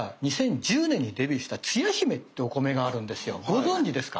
ご存じですか？